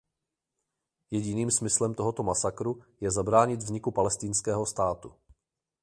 Jediným smyslem tohoto masakru je zabránit vzniku palestinského státu.